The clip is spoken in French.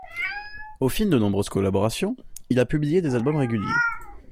Au fil de nombreuses collaborations, il a publié des albums réguliers.